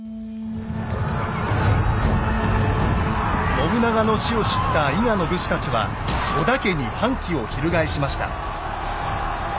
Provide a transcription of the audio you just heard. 信長の死を知った伊賀の武士たちは織田家に反旗を翻しました。